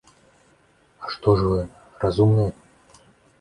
А што ж вы, разумныя?